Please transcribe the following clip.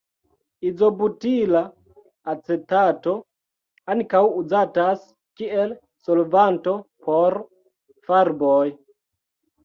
Izobutila acetato ankaŭ uzatas kiel solvanto por farboj.